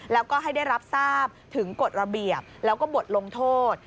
แล้วก็ให้ได้รับทราบถึงกฎระเบียบแล้วก็บทลงโทษ